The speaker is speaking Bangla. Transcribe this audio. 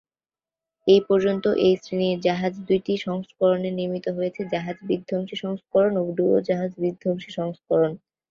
এ পর্যন্ত এই শ্রেনির জাহাজ দুইটি সংস্করণে নির্মিত হয়েছে- জাহাজ-বিধ্বংসী সংস্করণ ও ডুবোজাহাজ-বিধ্বংসী সংস্করণ।